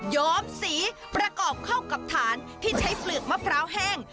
้อมสีประกอบเข้ากับฐานที่ใช้เปลือกมะพร้าวแห้ง